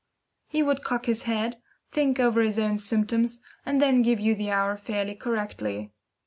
He would cock his head, think over his own symptoms, and then give you the hour fairly correctly.